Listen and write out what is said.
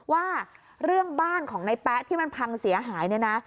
ว่าเรื่องบ้านของในแป๊ะที่มันพังเสียหายเนี่ยนะ